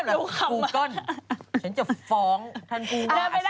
เดี๋ยวผมขับมาดูก่อนฉันจะฟ้องท่านกูว่าอาซาวินอ่า